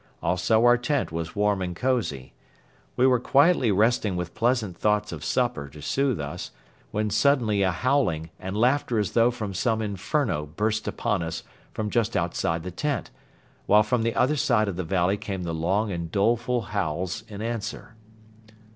Also our tent was warm and cozy. We were quietly resting with pleasant thoughts of supper to soothe us, when suddenly a howling and laughter as though from some inferno burst upon us from just outside the tent, while from the other side of the valley came the long and doleful howls in answer.